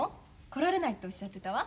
来られないっておっしゃってたわ。